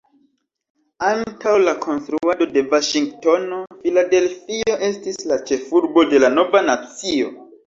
Antaŭ la konstruado de Vaŝingtono, Filadelfio estis la ĉefurbo de la nova nacio.